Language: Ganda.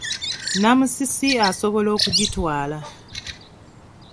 Namusisi asobola okugitwala.